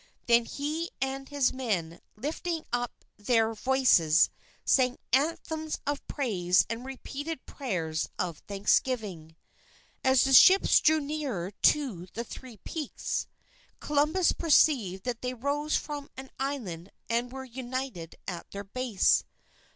Then he and his men, lifting up their voices, sang anthems of praise and repeated prayers of thanksgiving. As the ships drew nearer to the three peaks, Columbus perceived that they rose from an island and were united at their base.